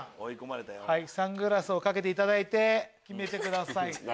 サングラスを掛けていただいて決めてください。